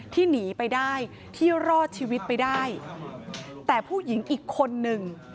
หนีไปได้ที่รอดชีวิตไปได้แต่ผู้หญิงอีกคนนึง